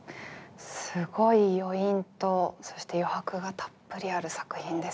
すごい余韻とそして余白がたっぷりある作品ですね。